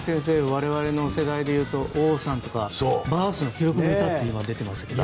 我々の世代でいうと王さんとかバースの記録を抜いたって出ていますけど。